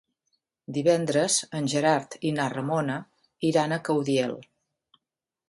Divendres en Gerard i na Ramona iran a Caudiel.